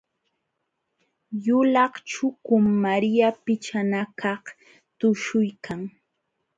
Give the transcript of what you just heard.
Yulaq chukum Maria pichanakaq tuśhuykan.